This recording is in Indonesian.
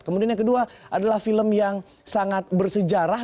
kemudian yang kedua adalah film yang sangat bersejarah